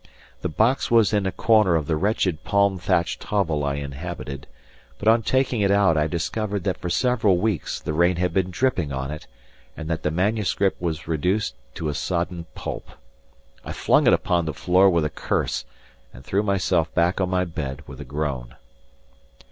The box was in a corner of the wretched palm thatched hovel I inhabited; but on taking it out I discovered that for several weeks the rain had been dripping on it, and that the manuscript was reduced to a sodden pulp. I flung it upon the floor with a curse and threw myself back on my bed with a groan.